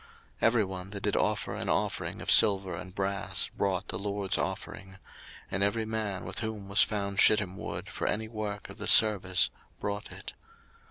02:035:024 Every one that did offer an offering of silver and brass brought the LORD's offering: and every man, with whom was found shittim wood for any work of the service, brought it.